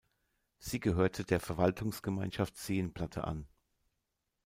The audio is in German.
Sie gehörte der Verwaltungsgemeinschaft Seenplatte an.